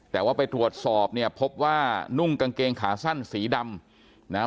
แต่ว่าไปตรวจสอบเนี่ยพบว่านุ่งกางเกงขาสั้นสีดำนะฮะ